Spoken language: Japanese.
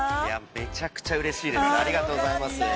◆めちゃくちゃうれしいです、ありがとうございます。